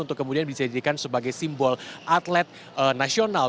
untuk kemudian bisa dijadikan sebagai simbol atlet nasional